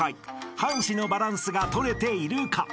［半紙のバランスがとれているか］